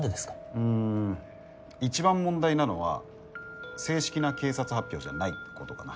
うん一番問題なのは正式な警察発表じゃないってことかな。